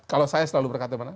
kalau saya selalu berkata mana